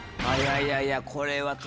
いやいやこれは。